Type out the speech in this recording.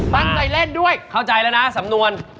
ตั้งใจเล่นด้วยเข้าใจแล้วนะสำนวน